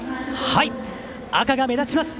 赤が目立ちます。